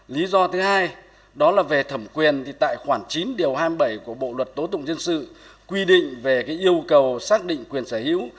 lý do thứ hai đó là về thẩm quyền thì tại khoảng chín điều hai mươi bảy của bộ luật tố tụng dân sự quy định về yêu cầu xác định quyền sở hữu